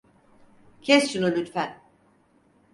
Kes şunu lütfen.